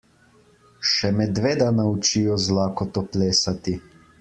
Še medveda naučijo z lakoto plesati.